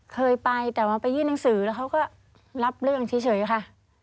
เคยไปแต่ว่าไปยื่นหนังสือแล้วเขาก็รับเรื่องเฉยค่ะ